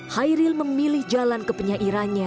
hairil memilih jalan ke penyair pujangga baru